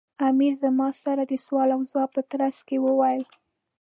امیر زما سره د سوال و ځواب په ترڅ کې وویل.